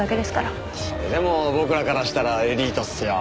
それでも僕らからしたらエリートっすよ。